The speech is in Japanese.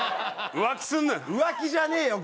浮気すんな浮気じゃねえよ